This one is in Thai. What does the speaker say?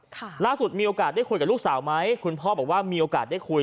ล่าสุดมีโอกาสได้คุยกับลูกสาวไหมคุณพ่อบอกว่ามีโอกาสได้คุย